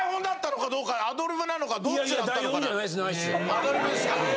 アドリブですか。